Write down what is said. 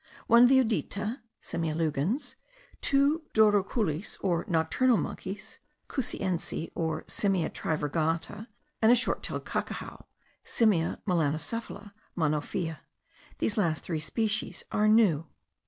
one viudita,* (* Simia lugens.) two douroucoulis or nocturnal monkeys,* (* Cusiensi, or Simia trivirgata.) and a short tailed cacajao. (* Simia melanocephala, mono feo. These last three species are new.)